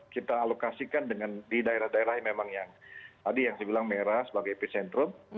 kita alokasikan dengan di daerah daerah yang memang yang tadi yang saya bilang merah sebagai epicentrum